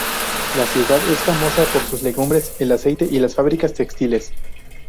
La ciudad es famosa por sus legumbres, el aceite y las fábricas textiles.